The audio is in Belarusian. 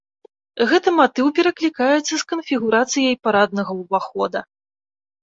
Гэты матыў пераклікаецца з канфігурацыяй параднага ўвахода.